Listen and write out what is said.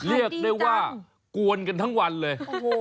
ใครดีจังเรียกได้ว่ากวนกันทั้งวันเลยโอ้โฮ